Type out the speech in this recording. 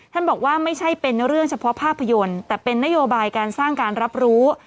บอกว่าไม่ใช่เป็นเรื่องเฉพาะภาพยนตร์แต่เป็นนโยบายการสร้างการรับรู้